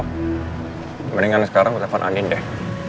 lihat mendingan sekarang aku telepon andien deh